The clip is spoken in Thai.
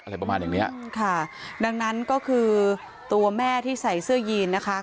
อะไรประมาณอย่างเนี้ยค่ะดังนั้นก็คือตัวแม่ที่ใส่เสื้อยีนนะคะ